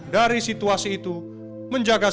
dari situasi itu menjaga sagu berarti menjaga hidup